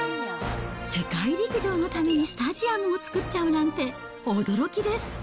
世界陸上のためにスタジアムも作っちゃうなんて、驚きです。